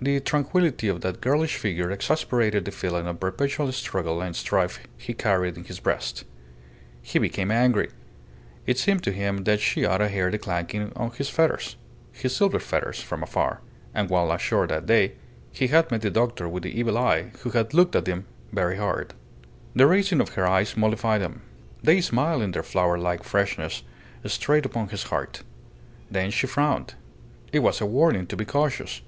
The tranquillity of that girlish figure exasperated the feeling of perpetual struggle and strife he carried in his breast. He became angry. It seemed to him that she ought to hear the clanking of his fetters his silver fetters, from afar. And while ashore that day, he had met the doctor with the evil eye, who had looked at him very hard. The raising of her eyes mollified him. They smiled in their flower like freshness straight upon his heart. Then she frowned. It was a warning to be cautious.